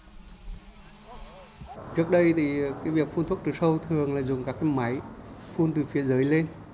trước đây thì cái việc phun thuốc trừ sâu thường là dùng các cái máy phun từ phía dưới lên